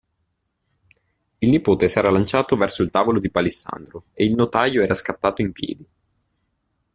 Il nipote s'era lanciato verso il tavolo di palissandro e il notaio era scattato in piedi.